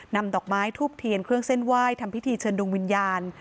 นำดอกไม้ทูบเทียนเครื่องเส้นไหว้ทำพิธีเชิญดวงวิญญาณ